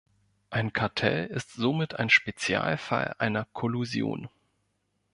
Ein Kartell ist somit ein Spezialfall einer Kollusion.